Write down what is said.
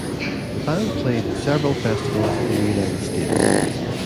The band played in several festivals in the United States.